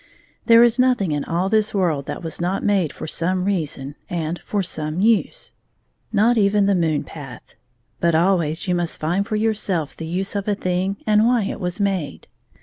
There is nothing in all this world that was not made for some reason and for some use — not even the moon path — but always you mu^t find for yourself the use of a thing and why it was made.